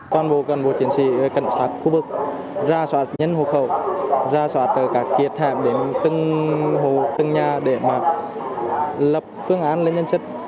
toàn bộ toàn bộ chiến sĩ cảnh sát khu vực ra soát nhân hồ khẩu ra soát các kiệt hạm đến từng hồ từng nhà để mà lập phương án lên nhân sách